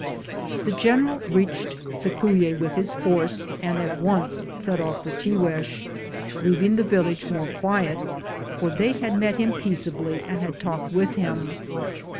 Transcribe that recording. The general reached Cicuye with his force and at once set off for Tiguex, leaving the village more quiet, for they had met him peaceably and had talked with him.